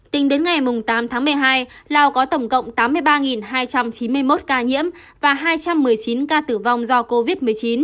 tính đến ngày tám tháng một mươi hai lào có tổng cộng tám mươi ba hai trăm chín mươi một ca nhiễm và hai trăm một mươi chín ca tử vong do covid một mươi chín